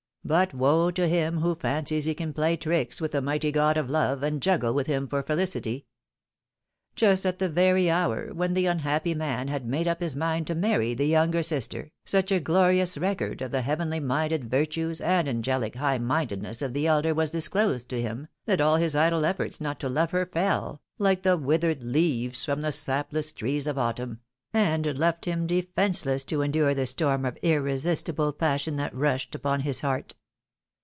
But woe to him who fancies he can play tricks with the mighty god of love, and juggle with him for felicity ! Just at the very hour when the unhappy man had made up his mind to marry the younger sister, such a glorious record of the heavenly minded virtues and angelic high mindedness of the elder was disclosed to him, that all his idle efforts not to love her fell, hke the withered leaves from the sapless trees of autumn, and left him defenceless to endure the storm of irresistible passion that rushed upon his heart.